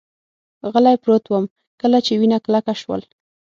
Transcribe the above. غلی پروت ووم، کله چې وینه کلکه شول.